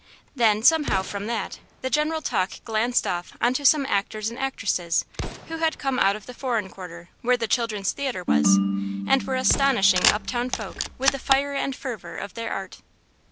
Then, somehow, from that the general talk glanced off on to some actors and actresses who had come out of the foreign quarter where the Children's Theatre was, and were astonishing up town folk with the fire and fervour of their art.